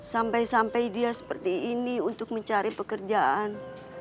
sampai sampai dia seperti ini untuk mencari pekerjaan